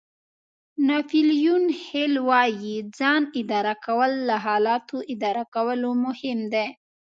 ناپیلیون هېل وایي ځان اداره کول له حالاتو اداره کولو مهم دي.